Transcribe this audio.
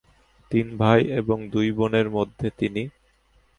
তিন ভাই এবং দুই বোনের মধ্যে তিনি চতুর্থ।